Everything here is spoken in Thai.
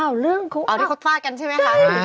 อะไรนะคะเอาที่คดฟาดกันใช่ไหมคะ